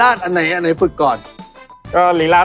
อันนี้เราเรียกว่าอะไรครับ